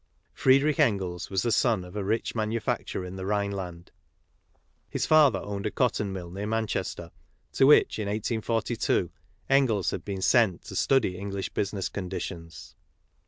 Friedrich Engels was the son of a rich manufacturer in the Rhineland. His father owned a cotton mill near Manchester, to which, in 1842, Engels had been sent to study English business conditions.